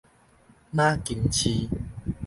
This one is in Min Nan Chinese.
馬公市